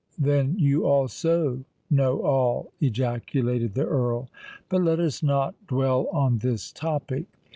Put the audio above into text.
then you also know all?" ejaculated the Earl. "But let us not dwell on this topic.